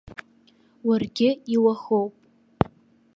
Уаргьы иуаӷоуп.